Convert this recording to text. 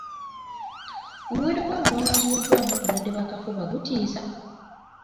Omuwendo gw'abantu abazuuliddwamu obulwadde bw'akafuba gutiisa.